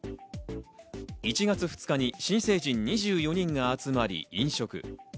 １月２日に新成人２４人が集まり飲食。